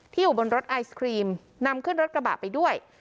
อยู่บนรถไอศครีมนำขึ้นรถกระบะไปด้วย